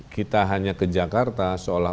kita hanya ke jakarta seolah